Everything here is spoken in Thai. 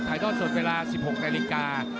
ถ่ายต้อนส่วนเวลา๑๖นาฬิกา